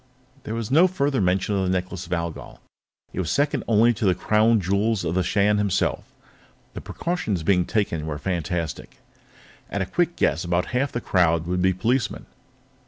_ There was further mention of the Necklace of Algol; it was second only to the Crown Jewels of the Shan himself. The precautions being taken were fantastic; at a quick guess, about half the crowd would be policemen.